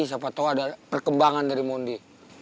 siapa tahu ada perkembangan dari mondi